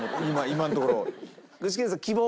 今のところ。